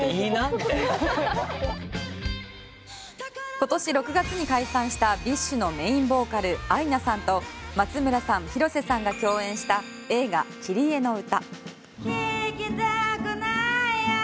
今年６月に解散したＢｉＳＨのメインボーカルアイナさんと松村さん広瀬さんが共演した映画「キリエのうた」。